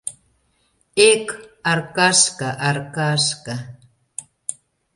— Эк, Аркашка, Аркашка!